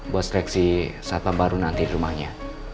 buat seleksi saat pam baru nanti di rumahnya